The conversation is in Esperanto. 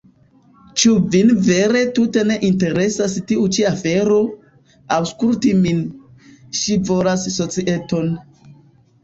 Ĉu Vin vere tute ne interesas tiu ĉi afero? Aŭskultu min, ŝi volas societon!